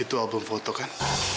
itu album foto kan